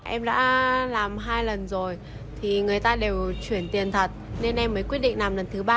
em đã làm hai lần rồi thì người ta đều chuyển tiền thật nên em mới quyết định làm lần thứ ba